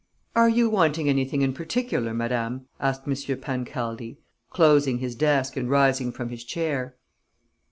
"Are you wanting anything in particular, madam?" asked M. Pancaldi, closing his desk and rising from his chair.